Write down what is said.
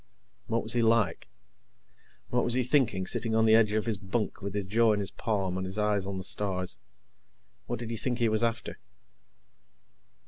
What was he like? What was he thinking, sitting on the edge of his bunk with his jaw in his palm and his eyes on the stars? What did he think he was after?